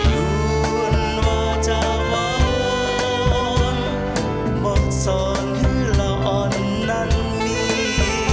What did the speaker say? หลุนวจาววนบ่สอนฮือละอ่อนนั้นมี